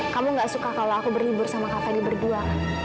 kamu tidak suka kalau aku berlibur sama kak fadil berdua